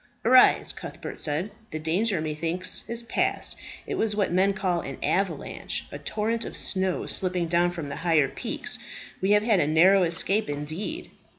"Arise," Cuthbert said; "the danger, methinks, is past. It was what men call an avalanche a torrent of snow slipping down from the higher peaks. We have had a narrow escape indeed."